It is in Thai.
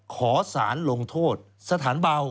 ขอสารลงโทษสถานเบา